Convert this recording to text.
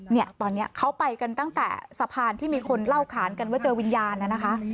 เนี่ยตอนนี้เขาไปกันตั้งแต่สะพานที่มีคนเล่าขานกันว่าเจอวิญญาณน่ะนะคะ